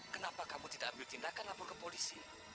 kenapa kamu tidak ambil tindakan lapor ke polisi